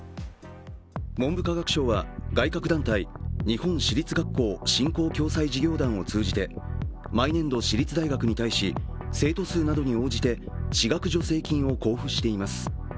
文部科学省は外郭団体、日本私立学校振興・共済事業団を通じて毎年度私立大学に対し生徒数などに応じて私学助成金を交付しています。